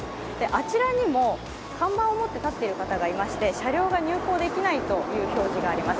あちらにも看板を持って立ってる方がいまして車両が入構できないという表示があります。